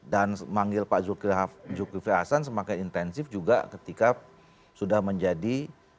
dan memanggil pak zulkifri hasan semakin intensif juga ketika sudah menjadi